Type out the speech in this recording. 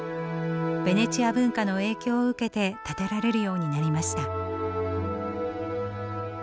ベネチア文化の影響を受けて建てられるようになりました。